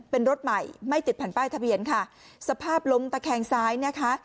เป็นรถใหม่ไม่ติดแผ่นป้ายทะเบียนค่ะสภาพล้มตะแคงซ้ายนะคะ